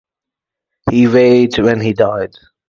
He weighed when he died.